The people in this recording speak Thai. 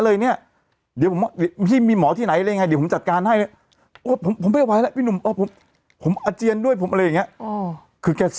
คนอย่างเธอคิดอย่างนั้นหรือ